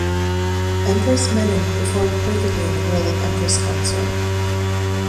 Empress Menen performed perfectly in the role of Empress-consort.